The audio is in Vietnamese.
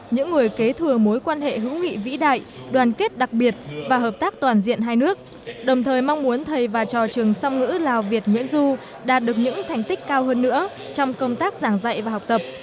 những người kế thừa mối quan hệ hữu nghị vĩ đại đoàn kết đặc biệt và hợp tác toàn diện hai nước đồng thời mong muốn thầy và trò trường song ngữ lào việt nguyễn du đạt được những thành tích cao hơn nữa trong công tác giảng dạy và học tập